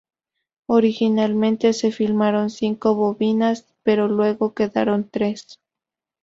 Originalmente se filmaron cinco bobinas pero luego quedaron tres.